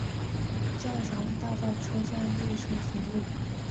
教堂大道车站列车服务。